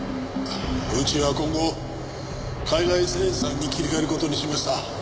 うちは今後海外生産に切り替える事にしました。